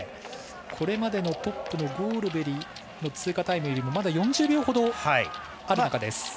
これまでのトップのゴールベリの通過タイムよりまだ４０秒ほどある中です。